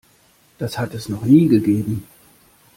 Das hat es noch nie gegeben.